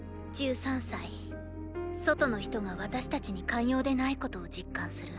１３歳外の人が私達に寛容でないことを実感する。